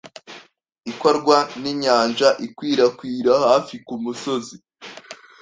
ikorwa ninyanja ikwirakwira hafi kumusozi